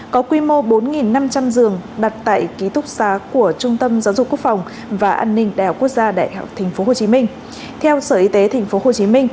có quy mô bốn năm trăm linh giường đặt tại ký thúc xá của tp hcm